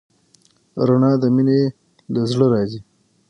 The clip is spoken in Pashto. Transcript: رڼا د مینې له زړه راځي.